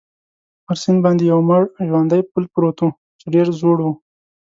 پر سیند باندې یو مړ ژواندی پل پروت وو، چې ډېر زوړ وو.